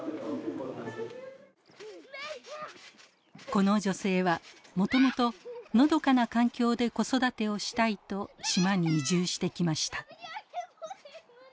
この女性はもともとのどかな環境で子育てをしたいと島に移住してきました。